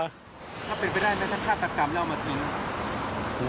ถ้าเป็นไปได้ไหมถ้าฆาตกรรมแล้วเอามาทิ้ง